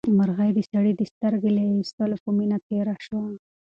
مرغۍ د سړي د سترګې له ایستلو په مینه تېره شوه.